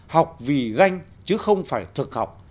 học vì danh chứ không phải thực học